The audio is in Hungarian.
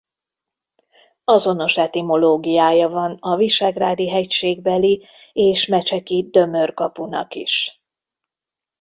Azonos etimológiája van a visegrádi-hegységbeli és mecseki Dömör-kapunak is.